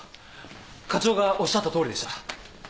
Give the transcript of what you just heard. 課長がおっしゃったとおりでした。